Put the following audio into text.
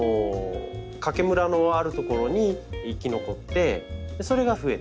かけむらのある所に生き残ってそれがふえて。